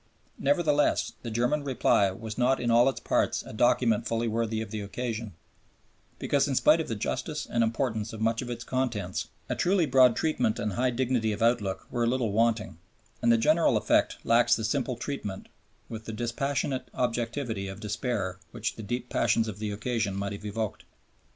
Nevertheless, the German reply was not in all its parts a document fully worthy of the occasion, because in spite of the justice and importance of much of its contents, a truly broad treatment and high dignity of outlook were a little wanting, and the general effect lacks the simple treatment, with the dispassionate objectivity of despair which the deep passions of the occasion might have evoked.